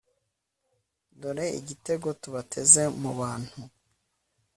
dore igitego tubateze mu bantu